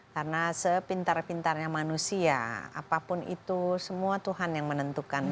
karena sepintar pintarnya manusia apapun itu semua tuhan yang menentukan